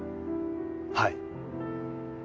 はい。